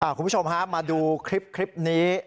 คุณผู้ชมฮะมาดูคลิปนี้